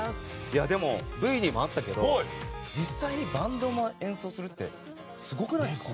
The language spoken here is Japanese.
でも、Ｖでもあったけど実際にバンドも演奏するってすごくないですか。